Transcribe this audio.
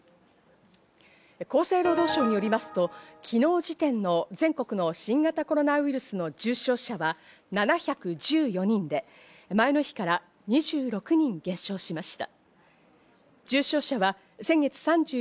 厚生労働省によりますと昨日時点の全国の新型コロナウイルスの重症者は７１４人で前の日から２６人減少しました。